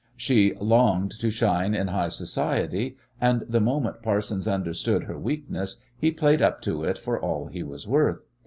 She longed to shine in high society, and the moment Parsons understood her weakness he played up to it for all he was worth.